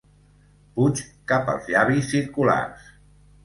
Puig cap als llavis circulars.